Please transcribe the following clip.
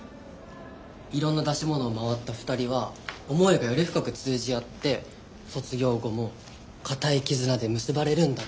いろんな出し物を回った２人は思いがより深く通じ合って卒業後も固い絆で結ばれるんだって。